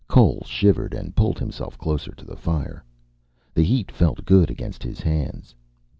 Cole shivered and pulled himself closer to the fire. The heat felt good against his hands.